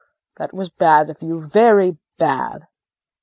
That was bad of you, very bad.